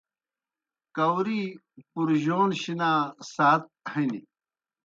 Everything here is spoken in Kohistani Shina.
کاؤری پُرجَون شنا سات ہنیْ۔